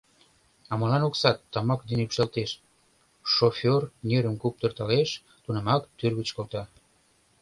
— А молан оксат тамак дене ӱпшалтеш? — шофёр нерым куптыртылеш, тунамак тӱрвыч колта.